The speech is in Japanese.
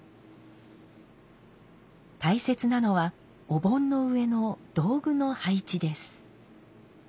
大切なのはお盆の上の道具の配置です。